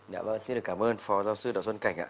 dạ vâng xin được cảm ơn phó giáo sư đặng xuân cảnh ạ